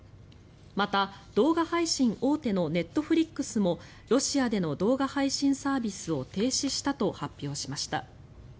また、動画配信大手のネットフリックスもロシアでの動画配信サービスを停止したと発表しました。